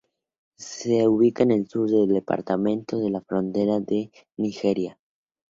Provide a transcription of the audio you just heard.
Se ubica en el sur del departamento, en la frontera con Nigeria.